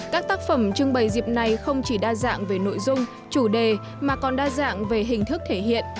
các tác phẩm trưng bày dịp này không chỉ đa dạng về nội dung chủ đề mà còn đa dạng về hình thức thể hiện